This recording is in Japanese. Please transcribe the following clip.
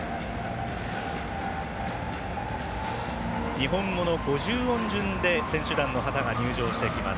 日本語の五十音順で選手団の旗が入場してきます。